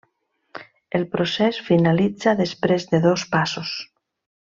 El procés finalitza després de dos passos.